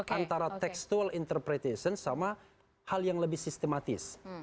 antara textual interpretation sama hal yang lebih sistematis